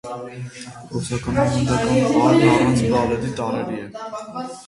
Ռուսական ավանդական պարն առանց բալետի տարրերի է։